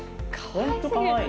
本当かわいい。